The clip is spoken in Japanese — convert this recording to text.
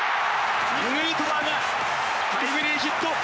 ヌートバーがタイムリーヒット。